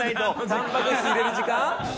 たんぱく質入れる時間？